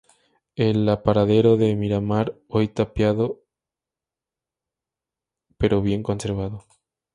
El apeadero de Miramar, hoy tapiado, pero bien conservado.